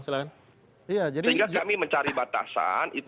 sehingga kami mencari batasan